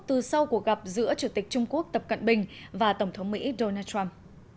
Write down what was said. từ sau cuộc gặp giữa chủ tịch trung quốc tập cận bình và tổng thống mỹ donald trump